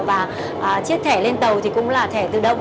và chiếc thẻ lên tàu thì cũng là thẻ tự động